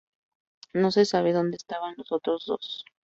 No se sabe donde estaban los otros dos.